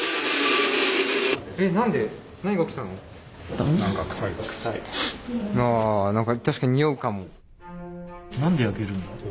あ何か確かににおうかも。